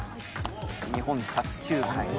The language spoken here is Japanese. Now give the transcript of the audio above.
日本卓球界